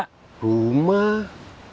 kalau rumah rumah